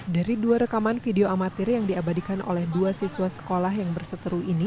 dari dua rekaman video amatir yang diabadikan oleh dua siswa sekolah yang berseteru ini